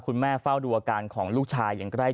เฝ้าดูอาการของลูกชายอย่างใกล้